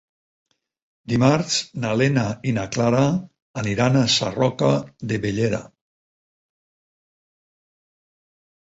Dimarts na Lena i na Clara aniran a Sarroca de Bellera.